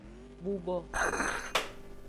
Bubo.